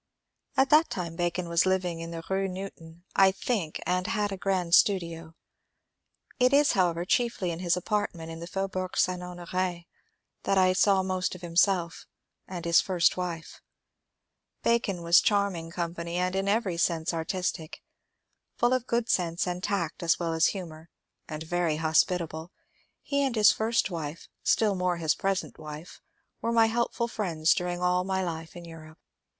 At that time Bacon was living in the Rue Newton, I think, and had a grand studio. It is, however, chiefly in his apartment in the Faubourg St. Honor^ that I saw most of himself and his (first) wife. Bacon was charming company, and in every sense artistic. Full of good sense and tact as well as humour, and very hospitable, he and his first wife — still more his present wife — were my helpful friends during all my life in Europe.